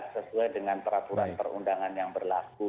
sesuai dengan peraturan perundangan yang berlaku